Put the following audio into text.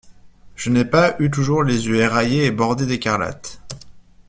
Je n’ai pas eu toujours les yeux éraillés et bordés d’écarlate.